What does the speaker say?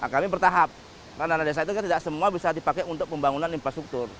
kami bertahap karena dana desa itu kan tidak semua bisa dipakai untuk pembangunan infrastruktur